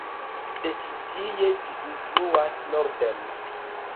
De ĉi-tie ĝi fluas norden.